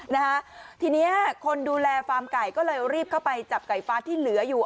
นะคะทีเนี้ยคนดูแลฟาร์มไก่ก็เลยรีบเข้าไปจับไก่ฟ้าที่เหลืออยู่